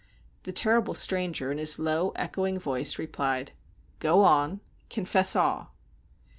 The terrible stranger, in his low, echoing voice, replied: "Go on; confess all."